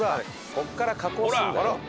ここから加工するんだろ。